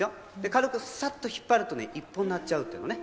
軽くさっと引っ張るとね、一本になっちゃうっていうね。